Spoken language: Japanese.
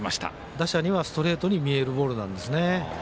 打者にはストレートに見えるボールなんです。